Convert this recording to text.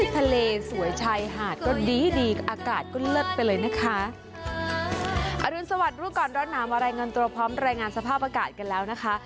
ทะเลสวยชัยหาดก็ดีดีอากาศก็เลิกไปเลยนะคะอรุณสวัสดีลูกก่อนร่อนน้ำมารายเงินตัวพร้อมรายงานสภาพอากาศกันแล้วนะคะ